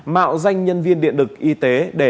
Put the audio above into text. mạo danh nhân viên điện đực it